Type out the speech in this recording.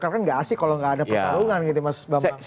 karena kan gak asik kalau gak ada pertarungan gitu mas bama